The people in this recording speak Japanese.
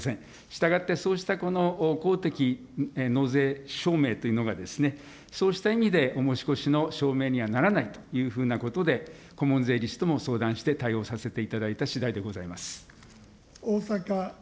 従ってそうしたこの公的納税証明というのが、そうした意味で、の証明にはならないというふうなことで顧問税理士とも相談して、対応させていただいたしだいでございます。